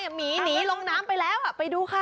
หมีหนีลงน้ำไปแล้วไปดูค่ะ